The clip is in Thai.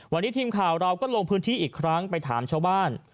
วันนี้ทีมข่าวเราก็ลงพื้นที่อีกครั้งไปถามชาวบ้าน